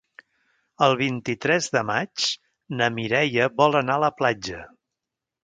El vint-i-tres de maig na Mireia vol anar a la platja.